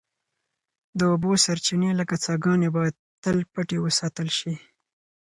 د اوبو سرچینې لکه څاګانې باید تل پټې وساتل شي.